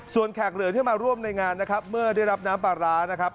ส่วนแขกเหลือที่มาร่วมในงานนะครับเมื่อได้รับน้ำปลาร้านะครับ